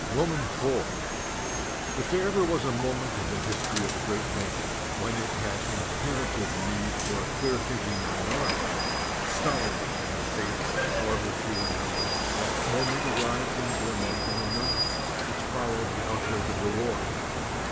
33 THE DUTY OF THE INTELLECTUALS IV Ir there ever was a moment in the history of a great nation when it had imperative need for a clear thinking minority, stalwart in the faith however few in number, that moment arrived in Germany in the months which followed the outbreak of the war.